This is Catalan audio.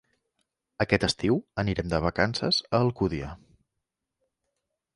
Aquest estiu anirem de vacances a Alcúdia.